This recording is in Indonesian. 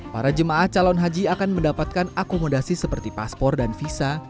para jemaah calon haji akan mendapatkan akomodasi seperti paspor dan visa